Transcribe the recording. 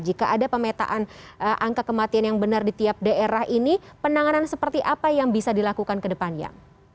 jika ada pemetaan angka kematian yang benar di tiap daerah ini penanganan seperti apa yang bisa dilakukan ke depannya